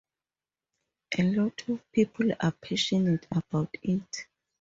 A lot of people are passionate about it.